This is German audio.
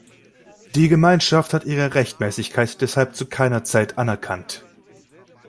Die Gemeinschaft hat ihre Rechtmäßigkeit deshalb zu keiner Zeit anerkannt.